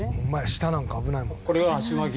下なんか危ないもんな」